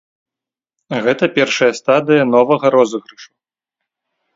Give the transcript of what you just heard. Гэта першая стадыя новага розыгрышу.